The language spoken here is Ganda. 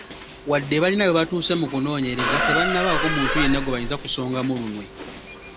Wadde balina we batuuse mu kunoonyereza, tebannabaako muntu yenna gwe bayinza kusongamu lunwe.